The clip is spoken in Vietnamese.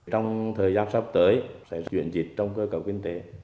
trong thời gian sắp tới sẽ chuyển dịch trong cơ cấu kinh tế